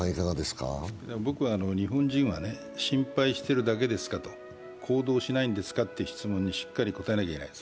日本人は心配しているだけですか、行動しないんですかという質問にしっかり答えなければいけない。